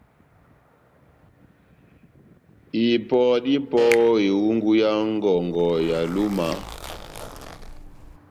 Ipɔ dá ipɔ ó ehungu yá ngɔngɔ ya Lúma,